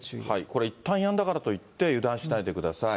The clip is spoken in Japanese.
これいったんやんだからといって、油断しないでください。